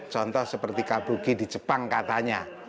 contoh seperti kabuki di jepang katanya